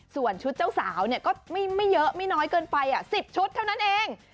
ส่วนชุดเจ้าสาวก็ไม่เยอะไม่น้อยเกินไป๑๐ชุดเท่านั้นเอง